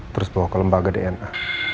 terus bawa ke lembaga dna